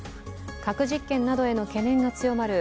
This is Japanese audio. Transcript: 核実験などへの懸念が強まる